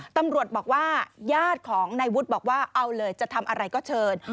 ตำรวจบอกว่าญาติของนายวุฒิบอกว่าเอาเลยจะทำอะไรก็เชิญ